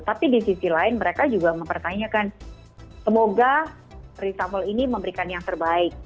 tapi di sisi lain mereka juga mempertanyakan semoga reshuffle ini memberikan yang terbaik